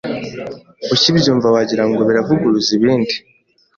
Ukibyumva wagira ngo biravuguruza ibindi